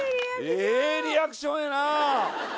ええリアクションやなあ！